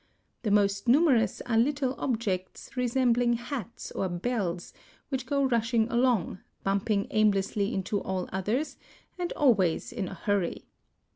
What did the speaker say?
The most numerous are little objects (Fig. 4) resembling hats or bells, which go rushing along, bumping aimlessly into all others, and always in a hurry.